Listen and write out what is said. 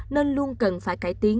nên luôn cần phải cải tiến